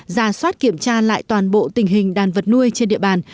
ra soát kiểm tra lại toàn bộ tình hình đàn vật nuôi trên địa bàn